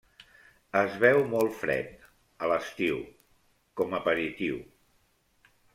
Es beu molt fred, a l'estiu, com aperitiu.